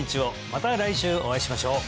また来週お会いしましょう！